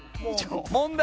問題